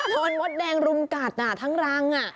มดแดงรุมกัดทั้งรัง